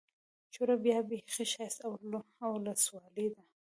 چوره بيا بېخي ښايسته اولسوالي ده.